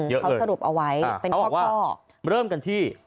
อืมเขาสรุปเอาไว้อ่าเป็นข้อเขาบอกว่าเริ่มกันที่